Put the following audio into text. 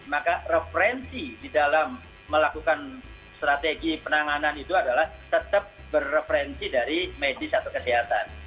maka referensi di dalam melakukan strategi penanganan itu adalah tetap bereferensi dari medis atau kesehatan